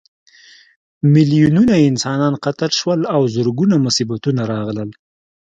میلیونونه انسانان قتل شول او زرګونه مصیبتونه راغلل.